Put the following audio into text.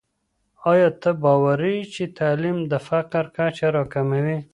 آیا ته باوري یې چې تعلیم د فقر کچه راکموي؟